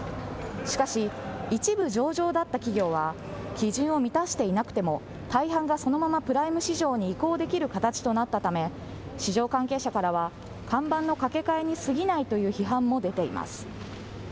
しかし１部上場だった企業は基準を満たしていなくても大半がそのままプライム市場に移行できる形となったため市場関係者からは看板の掛け替えにすぎないという批判も出ています。